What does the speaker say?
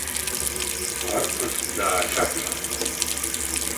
Арԥыс даахьаҳәит.